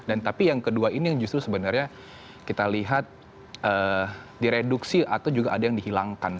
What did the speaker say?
dan tapi yang kedua ini justru sebenarnya kita lihat direduksi atau juga ada yang dihilangkan